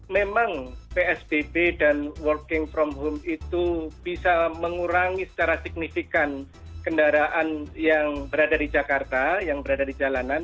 memang psbb dan working from home itu bisa mengurangi secara signifikan kendaraan yang berada di jakarta yang berada di jalanan